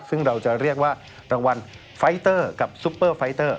ซึ่งเราจะเรียกว่ารางวัลไฟเตอร์กับซุปเปอร์ไฟเตอร์